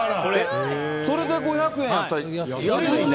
それで５００円やったら安いね。